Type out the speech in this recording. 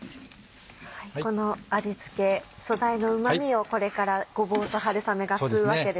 この味付け素材のうま味をこれからごぼうと春雨が吸うわけですね。